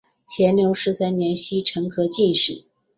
乾隆十三年戊辰科进士。